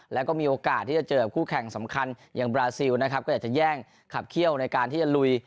แล้วก็มีโอกาสที่จะเจอคู่แข่งสำคัญอย่างบราซิลนะครับก็อยากจะแย่งขับเขี้ยวในการที่จะลุย